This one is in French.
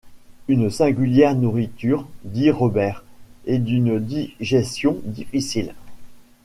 Une singulière nourriture, dit Robert, et d’une digestion difficile!